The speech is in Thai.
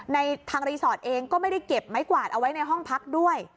ทางรีสอร์ทเองก็ไม่ได้เก็บไม้กวาดเอาไว้ในห้องพักด้วย